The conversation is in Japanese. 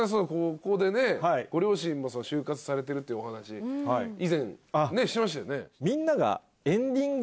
ここでねご両親が終活されてるっていうお話以前してましたよね。